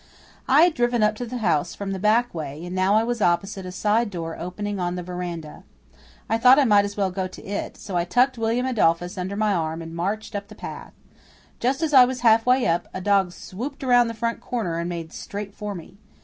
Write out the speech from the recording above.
I had driven up to the house from the back way and now I was opposite a side door opening on the veranda. I thought I might as well go to it, so I tucked William Adolphus under my arm and marched up the path. Just as I was half way up, a dog swooped around the front corner and made straight for me.